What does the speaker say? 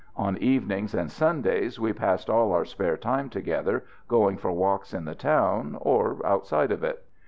On evenings and Sundays we passed all our spare time together, going for walks in the town, or outside of it.